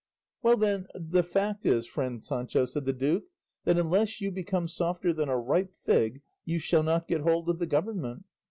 "Well then, the fact is, friend Sancho," said the duke, "that unless you become softer than a ripe fig, you shall not get hold of the government.